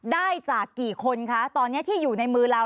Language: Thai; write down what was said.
ได้จากกี่คนคะตอนนี้ที่อยู่ในมือเรา